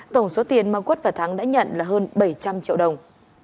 tổng số tiền mà quốc và thắng đã nhận là hơn bảy trăm linh triệu đồng